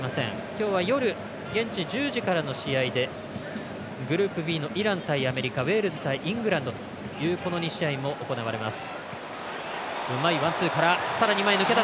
今日は夜現地１０時からの試合でグループＢのイラン対アメリカウェールズ対イングランドというこの２試合も行われます。